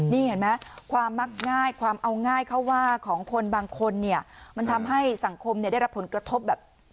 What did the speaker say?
นี่เห็นไหมความมักง่ายความเอาง่ายเข้าว่าของคนบางคนเนี่ยมันทำให้สังคมเนี่ยได้รับผลกระทบแบบ